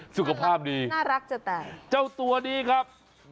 สุขภาพดีเจ้าตัวนี้ครับน่ารักจะตาย